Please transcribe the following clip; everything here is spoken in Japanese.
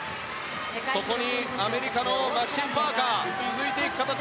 そこにアメリカのマキシン・パーカーが続いていく形。